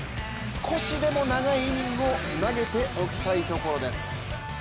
少しでも長いイニングを投げておきたいところです。